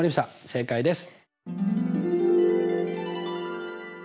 正解です。